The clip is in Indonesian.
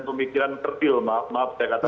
pemikiran tertil maaf saya kata